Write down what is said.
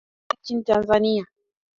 Asilimia nane nchini Tanzania